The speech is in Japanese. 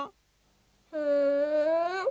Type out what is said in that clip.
ふん！